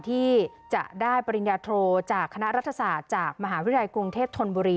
ที่จะได้ปริญญาโทจากคณะรัฐศาสตร์จากมหาวิทยาลัยกรุงเทพธนบุรี